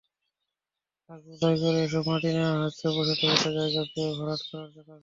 Truck বোঝাই করে এসব মাটি নেওয়া হচ্ছে বসতভিটার জায়গা ভরাট করার কাজে।